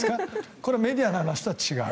これはメディアの話とは違う。